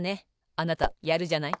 あなたやるじゃない。